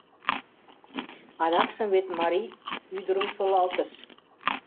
Адакшым вет марий ӱдырым солалтыш.